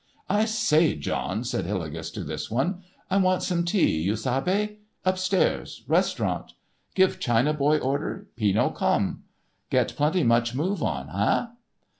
"I say, John," said Hillegas to this one, "I want some tea. You sabe?—up stairs—restaurant. Give China boy order—he no come. Get plenty much move on. Hey?"